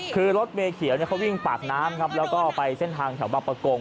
คือรถเมย์เขียวเขาวิ่งปากน้ำครับแล้วก็ไปเส้นทางแถวบางประกง